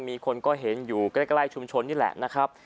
มีคนก็เห็นอยู่ใกล้ชุมชนนี่แหละนะครับ